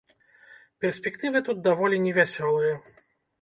Перспектывы тут даволі невясёлыя.